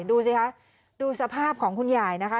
ดูสิคะดูสภาพของคุณยายนะคะ